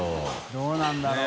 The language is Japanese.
どうなんだろう？